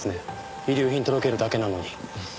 遺留品届けるだけなのに。